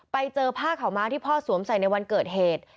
ไปเจอผ้าขาวม้าที่พ่อสวมใส่ในวันเกิดเหตุ